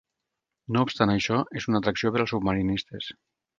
No obstant això, és una atracció per als submarinistes.